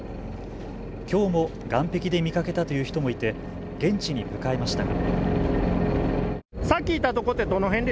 きょうも岸壁で見かけたという人もいて現地に向かいましたが。